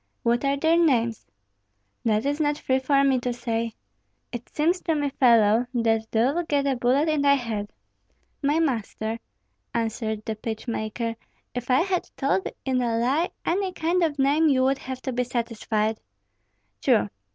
"What are their names?" "That is not free for me to say." "It seems to me, fellow, that thou'lt get a bullet in thy head." "My master," answered the pitch maker, "if I had told in a lie any kind of name, you would have to be satisfied." "True!